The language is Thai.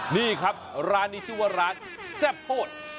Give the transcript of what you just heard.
นี่ครับร้านนี้ชื่อว่าร้านแซ่บโพด